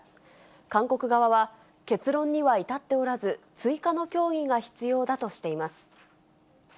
韓国側は、結論には至っておらず、追加の協議が必要だとしています。